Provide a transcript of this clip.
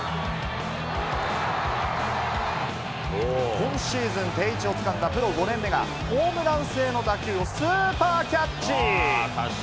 今シーズン、定位置をつかんだプロ５年目が、ホームラン性の打球をスーパーキャッチ。